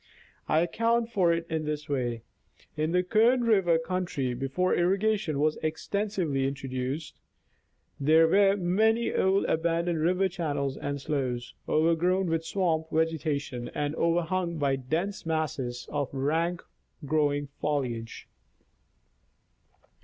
I account for it in this way : in the Kern river country before irrigation was extensively inti'oduced, there were many old abandoned river channels and sloughs, overgrown with swamp vegetation and overhung by dense masses of rank growing foliage. 288 National Geographic Magazine.